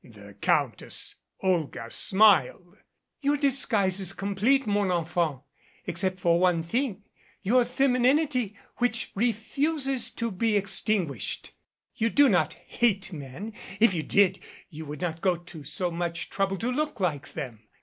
The Countess Olga smiled. "Your disguise is complete, mon enfant except for one thing your femininity which refuses to be extinguished. You do not hate men. If you did you would not go to so much trouble to look like them.